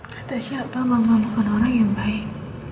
kata siapa mama bukan orang yang baik